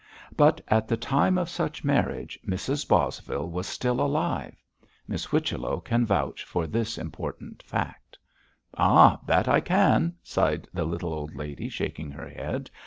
'But at the time of such marriage Mrs Bosvile was still alive. Miss Whichello can vouch for this important fact!' 'Ah! that I can,' sighed the little old lady, shaking her head.